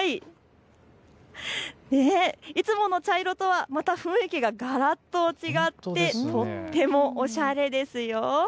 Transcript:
いつもの茶色とは、また雰囲気ががらっと違ってとってもおしゃれですよ。